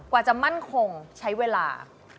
กว่าจะมั่นคงใช้เวลา